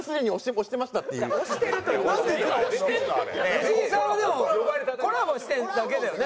ふじいさんはでもコラボしてるだけだよね？